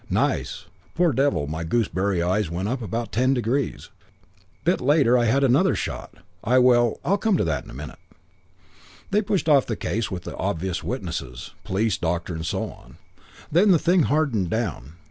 Nice! Poor devil, my gooseberry eyes went up about ten degrees. Bit later I had another shot. I well, I'll come to that in a minute." III "They pushed off the case with the obvious witnesses police, doctor, and so on. Then the thing hardened down.